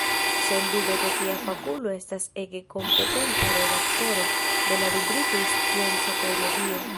Sendube do tia fakulo estas ege kompetenta redaktoro de la rubrikoj scienco kaj medio.